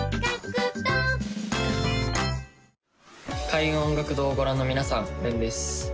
開運音楽堂をご覧の皆さんれんです